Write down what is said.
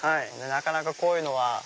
なかなかこういうのは。